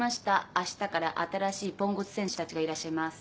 あしたから新しいポンコツ選手たちがいらっしゃいます。